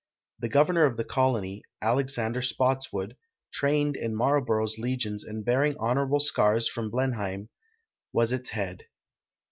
The governor of the colony, Alexander Spottswood — trained in Marlborough's legions and bearing honoraide scars from Blenheim — was its head.